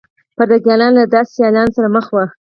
پرتګالیان له داسې سیالانو سره مخ وو.